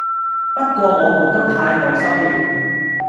不過我們都太害羞了